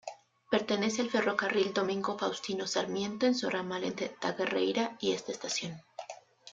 Pertenece al Ferrocarril Domingo Faustino Sarmiento en su ramal entre Darregueira y esta estación.